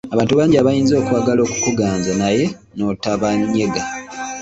Abantu bangi abayinza okwagala okukuganza naye n'otabanyega.